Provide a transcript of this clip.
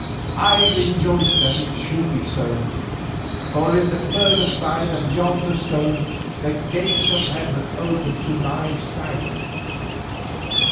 I rejoice that it should be so, for on the further side of yonder stone the gates of heaven open to my sight.